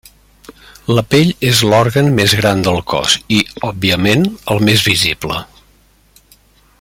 La pell és l'òrgan més gran del cos i, òbviament, el més visible.